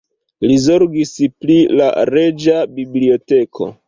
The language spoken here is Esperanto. Li zorgis pri la reĝa biblioteko.